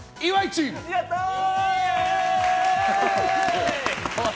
やったー！